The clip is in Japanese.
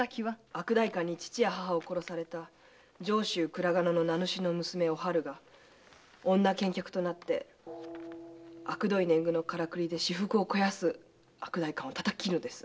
悪代官に父や母を殺された上州倉賀野の名主の娘おはるが女剣客となってあくどい年貢のカラクリで私腹を肥やす悪代官を叩き斬るのです。